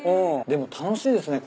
でも楽しいですね。